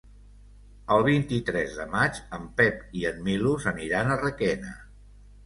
El vint-i-tres de maig en Pep i en Milos aniran a Requena.